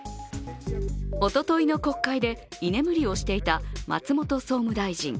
おとといの国会で、居眠りをしていた松本総務大臣。